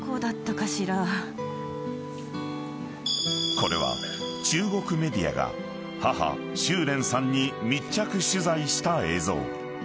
［これは中国メディアが母秋蓮さんに密着取材した映像］